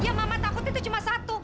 yang mama takut itu cuma satu